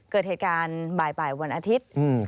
เกิดเหตุการณ์บ่ายวันอาทิตย์